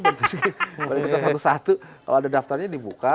bukan satu satu kalau ada daftarnya dibuka